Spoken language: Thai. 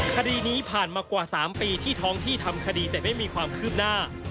คดีนี้ผ่านมากว่า๓ปีที่ท้องที่ทำคดีแต่ไม่มีความคืบหน้า